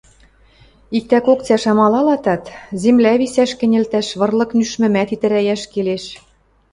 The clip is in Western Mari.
Иктӓ кок цӓш амалалатат, земля висӓш кӹньӹлтӓш вырлык нӱшмӹмӓт итӹрӓйӓш келеш.